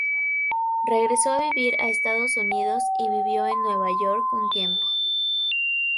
Regresó a vivir a Estados Unidos y vivió en Nueva York un tiempo.